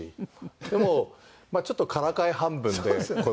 でもまあちょっとからかい半分でこの。